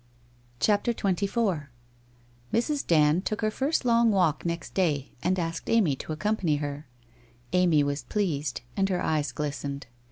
' CHAPTER XXIV Mrs. Dand took her first long walk next day and asked Amy to accompany her. Amy was pleased, and her eyes glistened.